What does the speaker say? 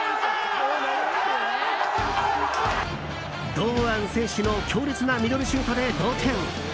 堂安選手の強烈なミドルシュートで同点。